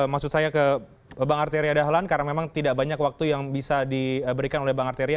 maksud saya ke bang arteria dahlan karena memang tidak banyak waktu yang bisa diberikan oleh bang arteria